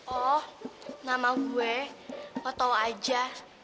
oh nama gue kau tau aja